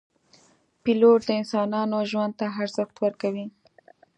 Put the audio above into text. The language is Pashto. پیلوټ د انسانانو ژوند ته ارزښت ورکوي.